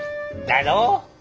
だろう？